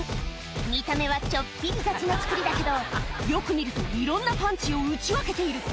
見た目はちょっぴり雑な作りだけど、よく見ると、いろんなパンチを打ち分けている。